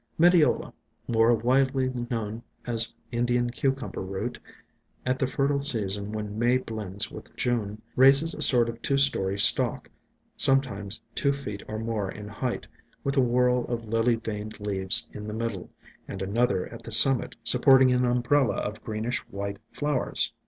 Medeola, more widely known as Indian Cucumber Root, at the fertile season when May blends with June, raises a sort of two story stalk, sometimes two feet or more in height, with a whorl of Lily veined leaves in the middle, and another at the summit supporting an umbrella of greenish white flowers.